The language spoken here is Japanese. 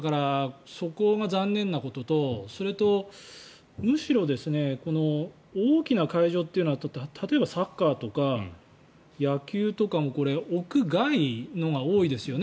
だから、そこが残念なこととそれとむしろ大きな会場というのは例えばサッカーとか野球とかもこれ、屋外のが多いですよね。